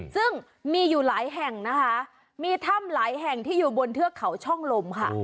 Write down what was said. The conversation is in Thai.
ซึ่งมีอยู่หลายแห่งนะคะมีถ้ำหลายแห่งที่อยู่บนเทือกเขาช่องลมค่ะ